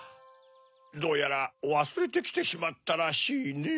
どうやらわすれてきてしまったらしいねぇ。